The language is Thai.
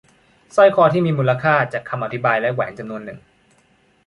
สร้อยคอที่มีมูลค่า จากคำอธิบายและแหวนจำนวนหนึ่ง